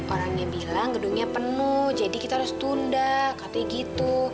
orangnya bilang gedungnya penuh jadi kita harus tunda katanya gitu